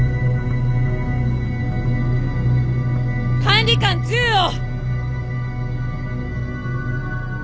管理官銃を！